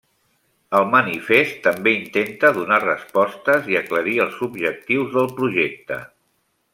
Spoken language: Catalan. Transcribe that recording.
El manifest també intenta donar respostes i aclarir els objectius del projecte.